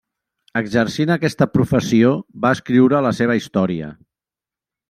Exercint aquesta professió va escriure la seva història.